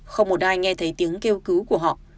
không một ai nghe thấy tiếng kêu cứu của họ